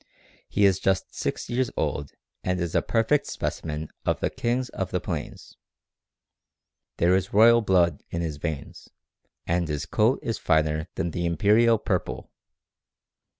He is just six years old and is a perfect specimen of the kings of the plains. There is royal blood in his veins, and his coat is finer than the imperial purple.